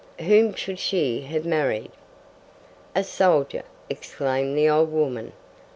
"Whom should she have married?" "A soldier!" exclaimed the old woman.